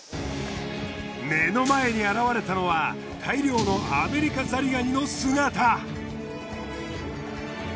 目の前に現れたのは大量のアメリカザリガニの姿。